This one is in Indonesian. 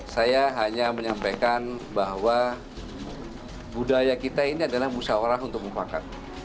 saya hanya menyampaikan bahwa budaya kita ini adalah musyawarah untuk mufakat